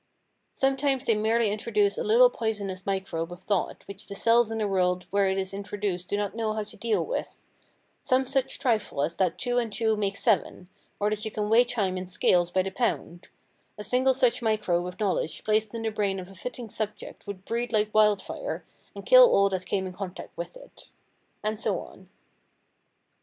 Sometimes they merely introduce a little poisonous microbe of thought which the cells in the world where it is introduced do not know how to deal with—some such trifle as that two and two make seven, or that you can weigh time in scales by the pound; a single such microbe of knowledge placed in the brain of a fitting subject would breed like wild fire and kill all that came in contact with it. And so on.